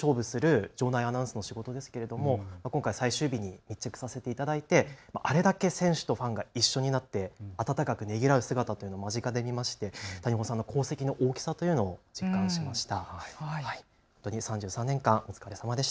声だけで勝負する場内アナウンスの仕事ですが今回最終日に密着させていただいて、あれだけ選手とファンが一緒になって温かくねぎらう姿というのを間近で見て谷保さんの功績の大きさというのを実感しました。